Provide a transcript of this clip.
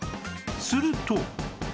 すると